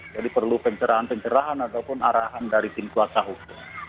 jadi perlu pencerahan pencerahan ataupun arahan dari tim kuasa hukum